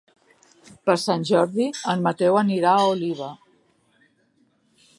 Per Sant Jordi en Mateu anirà a Oliva.